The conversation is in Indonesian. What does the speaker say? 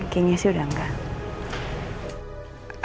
kayaknya sih udah enggak